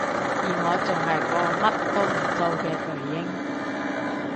而我仲係個乜都唔做嘅巨嬰